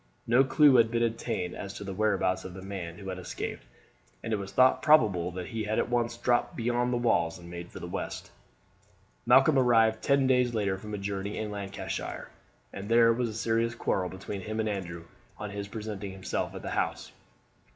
No clue had been obtained as to the whereabouts of the man who had escaped, and it was thought probable that he had at once dropped beyond the walls and made for the west. Malcolm arrived ten days later from a journey in Lancashire, and there was a serious quarrel between him and Andrew on his presenting himself at the house.